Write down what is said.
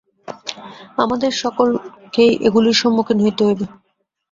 আমাদের সকলকেই এগুলির সম্মুখীন হইতে হইবে।